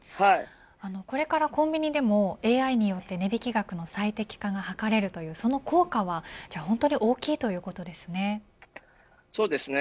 これから、コンビニでもＡＩによって値引き額の最適化が図れる効果は、本当に大きいということですね。